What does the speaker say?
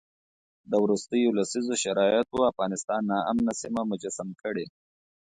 د وروستیو لسیزو شرایطو افغانستان ناامنه سیمه مجسم کړی.